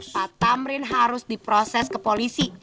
pak tamrin harus diproses ke polisi